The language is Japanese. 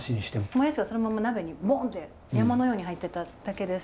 もやしをそのまま鍋にボンって山のように入ってただけです。